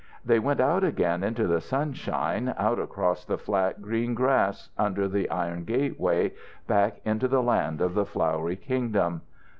They went out again into the sunshine, out across the flat green grass, under the iron gateway, back into the Land of the Flowery Kingdom.